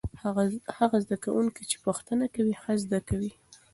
هغه زده کوونکي چې پوښتنه کوي ښه زده کوي.